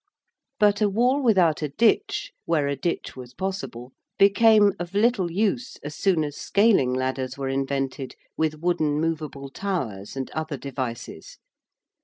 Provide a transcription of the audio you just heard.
] But a wall without a ditch, where a ditch was possible, became of little use as soon as scaling ladders were invented with wooden movable towers and other devices.